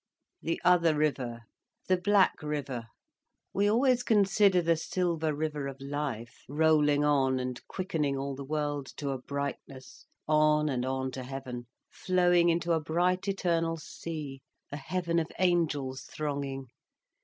"The other river, the black river. We always consider the silver river of life, rolling on and quickening all the world to a brightness, on and on to heaven, flowing into a bright eternal sea, a heaven of angels thronging.